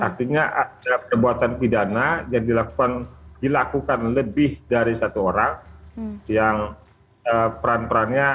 artinya ada perbuatan pidana yang dilakukan lebih dari satu orang yang peran perannya